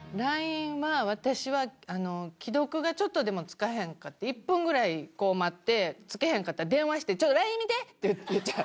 私は既読がちょっとでも付かへんかった１分ぐらいこう待って付けへんかったら電話して「ちょっとＬＩＮＥ見て！」って言っちゃう。